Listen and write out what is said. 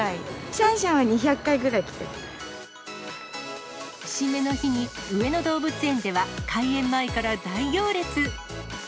シャンシャンは２００回くらい来節目の日に、上野動物園では開園前から大行列。